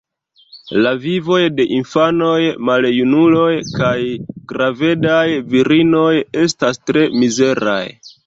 La vivoj de infanoj, maljunuloj kaj gravedaj virinoj estas tre mizeraj.